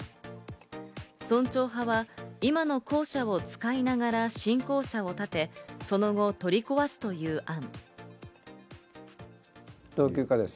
村長派は今の校舎を使いながら新校舎を建て、その後、取り壊すという案。